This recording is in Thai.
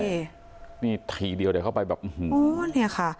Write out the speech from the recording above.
นี่ทีเดียวเดี๋ยวเข้าไปแบบอื้อหือเนี่ยค่ะ